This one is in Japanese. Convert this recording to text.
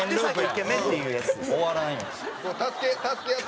終わらんやん。